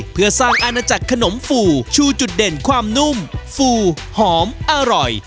เพื่อสร้างอาณาจักรขนมฟูชูจุดเด่นความนุ่มฟูหอมอร่อย